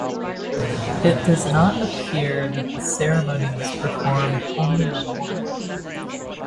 It does not appear that the ceremony was performed only on women.